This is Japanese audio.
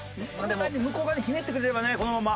向こう側にひねってくれればねこのまま。